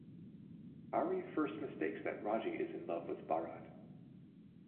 Hari first mistakes that Raji is in love with Bharat.